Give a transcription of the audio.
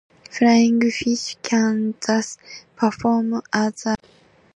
Flying fish can thus perform as a main effect instead of just an initiator.